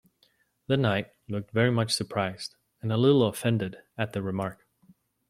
The Knight looked very much surprised, and a little offended at the remark.